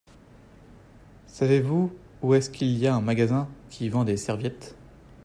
Savez-vous où est-ce qu'il y a un magasin qui vend des serviettes ?